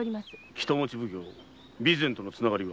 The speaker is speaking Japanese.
北町奉行・備前とのつながりは？